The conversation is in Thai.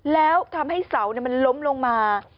แล้วทำให้เสามันล้มลงมา